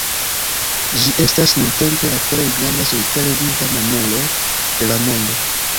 Ĝi estas nuntempe la plej granda surtere viva mamulo de la mondo.